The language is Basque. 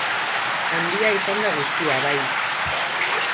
Handia izan da guztia, bai!